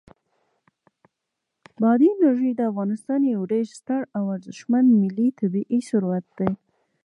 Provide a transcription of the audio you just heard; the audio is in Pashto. بادي انرژي د افغانستان یو ډېر ستر او ارزښتمن ملي طبعي ثروت دی.